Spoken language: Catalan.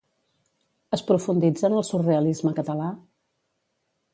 Es profunditza en el surrealisme català?